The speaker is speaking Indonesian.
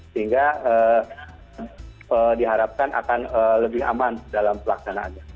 sehingga diharapkan akan lebih aman dalam pelaksanaannya